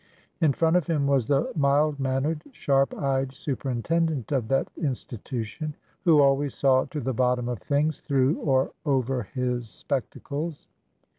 In front of him was the mild mannered, sharp eyed super intendent of that institution, who always saw to the bot tom of things through or over his spectacles.